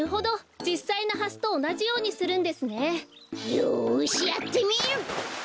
よしやってみる！